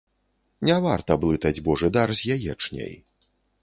Не варта блытаць божы дар з яечняй.